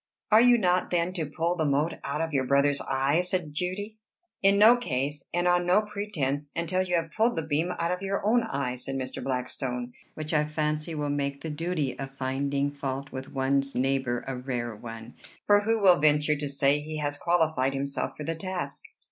"Are you not, then, to pull the mote out of your brother's eye?" said Judy. "In no case and on no pretence, until you have pulled the beam out of your own eye," said Mr. Blackstone; "which I fancy will make the duty of finding fault with one's neighbor a rare one; for who will venture to say he has qualified himself for the task?"